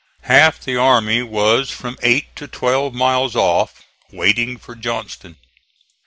Half the army was from eight to twelve miles off, waiting for Johnston.